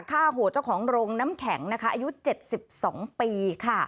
ฆ่าโหดเจ้าของโรงน้ำแข็งนะคะอายุ๗๒ปีค่ะ